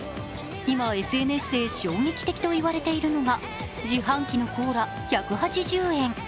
今、ＳＮＳで衝撃的といわれているのが自販機のコーラ１８０円。